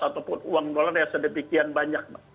ataupun uang dolar yang sedemikian banyak mbak